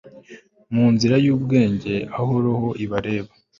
Mu nzira yubwenge aho roho ibareba